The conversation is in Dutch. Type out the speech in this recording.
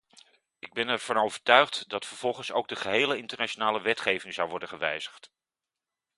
Ik ben ervan overtuigd dat vervolgens ook de gehele internationale wetgeving zou worden gewijzigd.